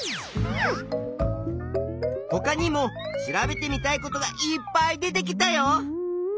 ほかにも調べてみたいことがいっぱい出てきたよ。